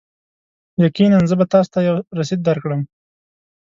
یقینا، زه به تاسو ته یو رسید درکړم.